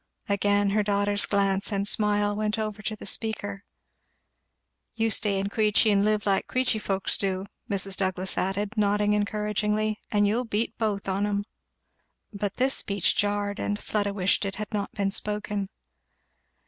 Again her daughter's glance and smile went over to the speaker. "You stay in Queechy and live like Queechy folks do," Mrs. Douglass added, nodding encouragingly, "and you'll beat both on 'em." But this speech jarred, and Fleda wished it had not been spoken.